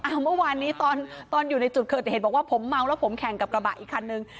เมื่อวานนี้ตอนตอนอยู่ในจุดเกิดเหตุบอกว่าผมเมาแล้วผมแข่งกับกระบะอีกคันนึง